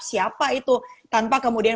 siapa itu tanpa kemudian